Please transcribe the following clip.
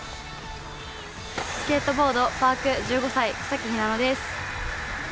スケートボードパーク１５歳草木ひなのです。